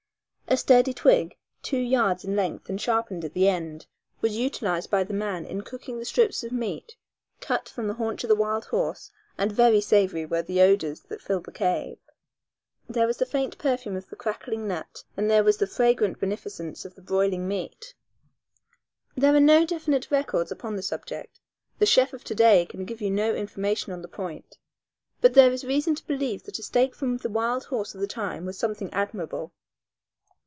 A sturdy twig, two yards in length and sharpened at the end, was utilized by the man in cooking the strips of meat cut from the haunch of the wild horse and very savory were the odors that filled the cave. There was the faint perfume of the crackling nuts and there was the fragrant beneficence of the broiling meat. There are no definite records upon the subject; the chef of to day can give you no information on the point, but there is reason to believe that a steak from the wild horse of the time was something admirable.